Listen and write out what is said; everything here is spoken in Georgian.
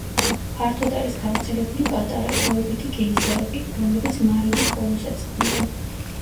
ფართოდ არის გავრცელებული პატარა, დროებითი გეიზერები, რომლებიც მარილის კონუსებს ქმნიან.